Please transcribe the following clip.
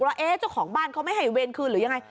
ว่าเจ้าของบ้านเขาไม่ให้เวรคืนหรือยังไง